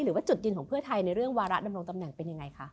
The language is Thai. หรือว่าจุดยืนของเพื่อไทยในเรื่องวาระดำรงตำแหน่งเป็นยังไงคะ